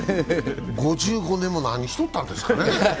５５年も何しとったんですかね。